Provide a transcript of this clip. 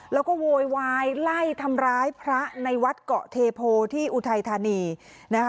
แล้วก็โวยวายไล่ทำร้ายพระในวัดเกาะเทโพที่อุทัยธานีนะคะ